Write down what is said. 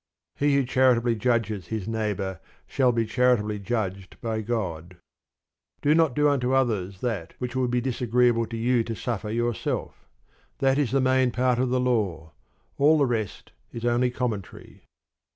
He who charitably judges his neighbour shall be charitably judged by God. Do not unto others that which it would be disagreeable to you to suffer yourself, that is the main part of the law; all the rest is only commentary.